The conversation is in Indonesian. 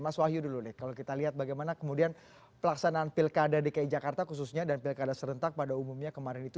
mas wahyu dulu deh kalau kita lihat bagaimana kemudian pelaksanaan pilkada dki jakarta khususnya dan pilkada serentak pada umumnya kemarin itu